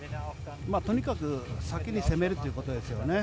とにかく先に攻めるということですよね。